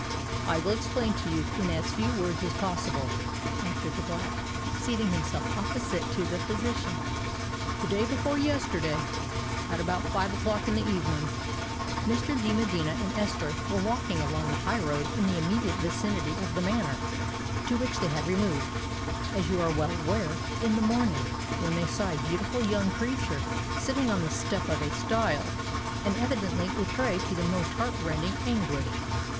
"I will explain it to you in as few words as possible," answered the Black, seating himself opposite to the physician. "The day before yesterday—at about five o'clock in the evening—Mr. de Medina and Esther were walking along the high road in the immediate vicinity of the Manor, to which they had removed, as you are well aware, in the morning, when they saw a beautiful young creature sitting on the step of a stile, and evidently a prey to the most heart rending anguish.